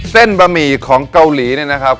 เส้นบะหมี่ของเกาหลีนะครับ